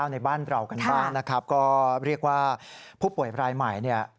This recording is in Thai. ในบ้านเรากันบ้างนะครับก็เรียกว่าผู้ป่วยรายใหม่เนี่ย